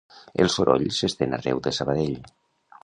El soroll s'estén arreu de Sabadell